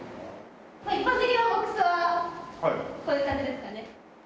一般的なボックスはこういう感じですかね。